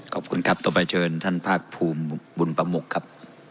ขอบคุณครับต่อไปเชิญท่านภาคภูมิบุญประมุกครับ